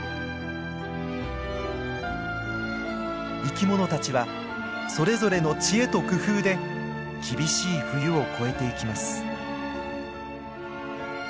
生き物たちはそれぞれの知恵と工夫で厳しい冬を越えていきます。